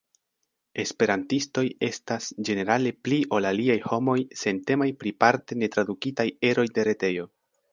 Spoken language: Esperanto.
Esperantistoj estas ĝenerale pli ol aliaj homoj sentemaj pri parte netradukitaj eroj de retejo.